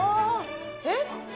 えっ？